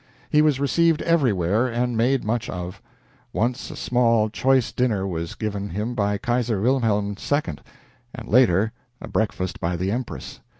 He was received everywhere and made much of. Once a small, choice dinner was given him by Kaiser William II., and, later, a breakfast by the Empress.